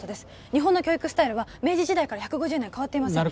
日本の教育スタイルは明治時代から１５０年変わっていません